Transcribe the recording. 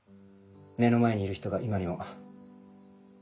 目の前にいる人が今にも。